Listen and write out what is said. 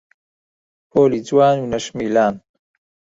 پۆلی جوان و نەشمیلان